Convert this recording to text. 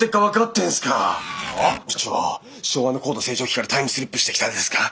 部長昭和の高度成長期からタイムスリップしてきたんですか？